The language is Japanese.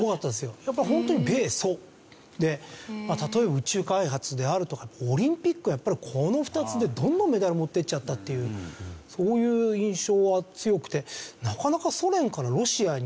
やっぱホントに米ソで例えば宇宙開発であるとかオリンピックはやっぱりこの２つでどんどんメダル持っていっちゃったっていうそういう印象は強くてなかなか。